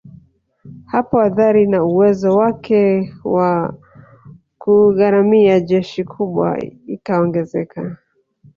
Hapo athari na uwezo wake wa kugharamia jeshi kubwa ikaongezeka